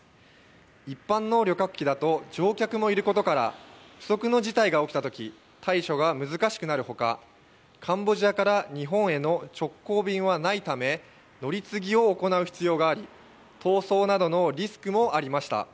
一般の旅客機だと乗客もいることから不測の事態が起きた時対処が難しくなる他カンボジアから日本への直行便はないため乗り継ぎを行う必要があり逃走などのリスクもありました。